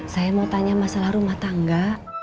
saya mau tanya masalah rumah tangga